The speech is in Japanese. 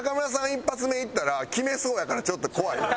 １発目いったら決めそうやからちょっと怖いねん。